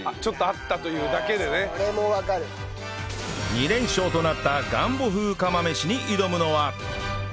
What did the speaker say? ２連勝となったガンボ風釜飯に挑むのは